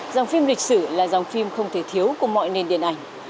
dòng phim lịch sử là dòng phim không thể thiếu của mọi nền điện ảnh